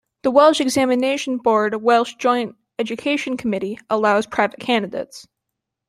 The Welsh examination board Welsh Joint Education Committee allows private candidates.